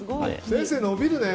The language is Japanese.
先生、伸びるね。